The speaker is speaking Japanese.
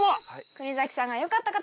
国崎さんがよかった方。